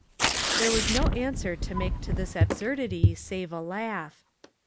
There was no answer to make to this ab surdity save a laugh.